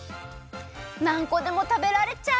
なんこでもたべられちゃう！